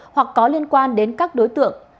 hoặc có liên quan đến các đối tượng